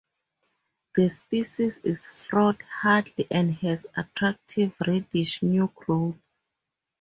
The species is frost hardy and has "attractive" reddish new growth.